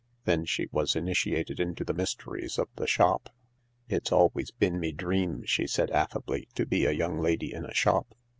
Then she was initiated into the mysteries of the shop. " It's always bin me dream," she said affably, "to be a young lady in a shop.